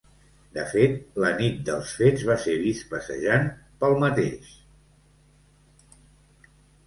De fet, la nit dels fets va ser vist passejant pel mateix.